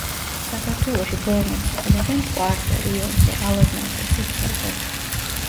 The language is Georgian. საქართველოში ბორნებს იყენებენ მტკვარზე, რიონზე, ალაზანზე, სუფსაზე.